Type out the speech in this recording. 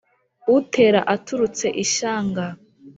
utera aturutse ishyanga.